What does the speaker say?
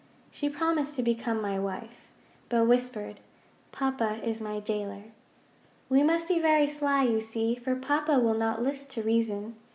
She promised to become my wife, But whispered, 'Papa is my jailer.' 'We must be very sly, you see, For Papa will not list to reason.